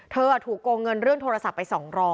เธอถูกโกงเงินเรื่องโทรศัพท์ไป๒๐๐